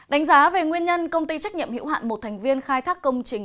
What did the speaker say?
đánh giá về nguyên nhân công ty trách nhiệm hữu hạn một thành viên khai thác công trình